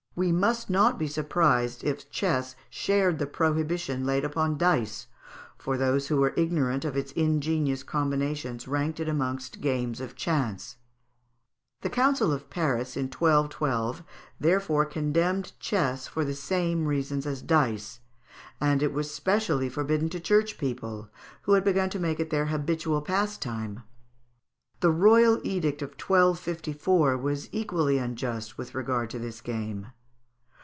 We must not be surprised if chess shared the prohibition laid upon dice, for those who were ignorant of its ingenious combinations ranked it amongst games of chance. The Council of Paris, in 1212, therefore condemned chess for the same reasons as dice, and it was specially forbidden to church people, who had begun to make it their habitual pastime. The royal edict of 1254 was equally unjust with regard to this game.